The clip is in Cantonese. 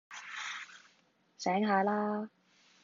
醒下啦